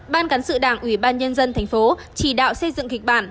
ban cán sự đảng ủy ban nhân dân thành phố chỉ đạo xây dựng kịch bản